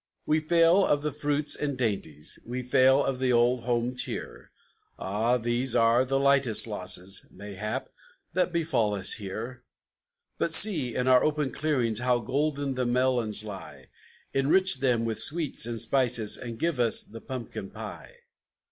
"We fail of the fruits and dainties we fail of the old home cheer; Ah, these are the lightest losses, mayhap, that befall us here; But see, in our open clearings, how golden the melons lie; Enrich them with sweets and spices, and give us the pumpkin pie!"